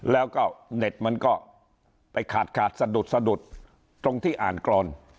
แล้วก็เน็ตมันก็ไปขาดขาดสะดุดสะดุดตรงที่อ่านกรอน